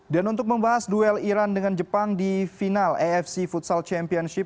dan untuk membahas duel iran dengan jepang di final afc futsal championship